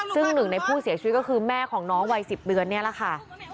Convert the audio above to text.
ซึ่งหนึ่งในผู้เสียชีวิตก็คือแม่ของน้องวัย๑๐เดือนนี่แหละค่ะ